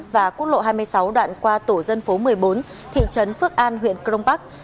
và quốc lộ hai mươi sáu đoạn qua tổ dân phố một mươi bốn thị trấn phước an huyện crong park